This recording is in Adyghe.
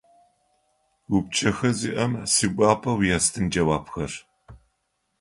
Упчӏэхэ зиӏэм сигуапэу естын джэуапхэр.